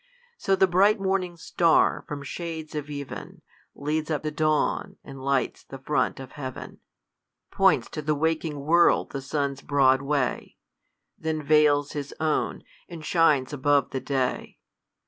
So the bright morning star, from shades of ev'n, Leads up the dawn, and lights the front of heav'n, Points to the waking world the sun's broad way, Then v^ils his own, and shines above the day.